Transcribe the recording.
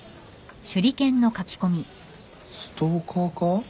ストーカーか？